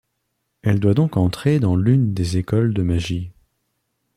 Elle doit donc entrer dans l'une des écoles de magie.